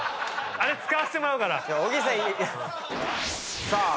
あれ使わせてもらうから。